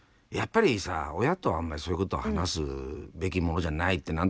やっぱりさ親とあんまりそういうことを話すべきものじゃないって